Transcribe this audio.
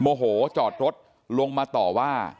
โมโฮจอดทฤษฐ์ลงมาต่อว่า